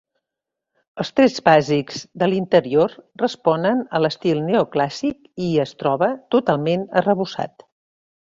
Els trets bàsics de l'interior responen a l'estil neoclàssic i es troba totalment arrebossat.